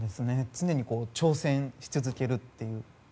常に挑戦し続けるという。